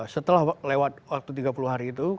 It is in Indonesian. setelah lewat waktu tiga puluh hari itu